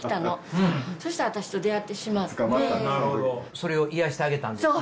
それを癒やしてあげたんですか？